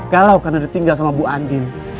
galau karena ditinggal sama bu andin